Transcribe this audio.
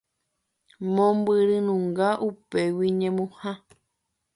Mombyrynunga upégui ñemuha.